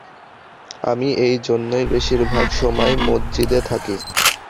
আমি এই জন্যই বেশির ভাগ সময় মসজিদে থাকি।